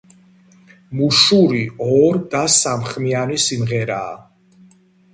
მუშური ორ და სამხმიანი სიმღერაა.